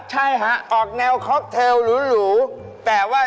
จะเก็บเส้นซอส